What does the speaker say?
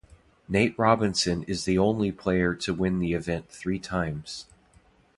Nate Robinson is the only player to win the event three times.